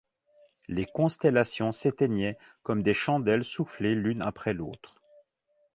Les constellations s’éteignaient comme des chandelles soufflées l’une après l’autre.